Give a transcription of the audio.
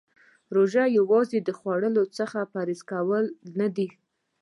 روژه یوازې د خوړو څخه پرهیز کول نه دی .